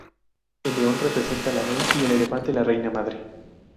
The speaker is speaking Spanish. El león representa el rey, y el elefante la reina madre.